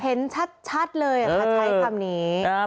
เห็นชัดเลยค่ะใช้คำนี้